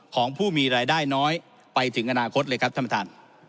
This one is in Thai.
ของผู้มีรายได้น้อยไปถึงอนาคตเลยครับท่านประธาน